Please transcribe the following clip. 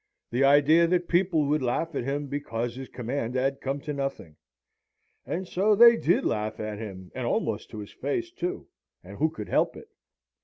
The idea that people would laugh at him, because his command had come to nothing. And so they did laugh at him, and almost to his face too, and who could help it?